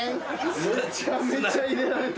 めちゃめちゃ入れられた。